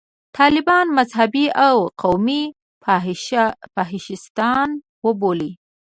طالبان مذهبي او قومي فاشیستان وبولي.